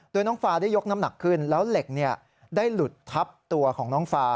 โดยน้องฟาได้ยกน้ำหนักขึ้นแล้วเหล็กได้หลุดทับตัวของน้องฟา